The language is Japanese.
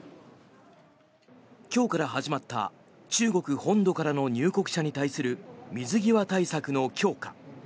今日から始まった中国本土からの入国者に対する水際対策の強化。